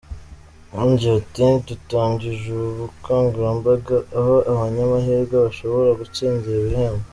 Yongeye ati “Dutangije ubu bukangurambaga aho abanyamahirwe bashobora gutsindira ibihembo.